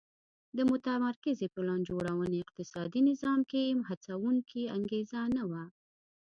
د متمرکزې پلان جوړونې اقتصادي نظام کې هڅوونکې انګېزه نه وه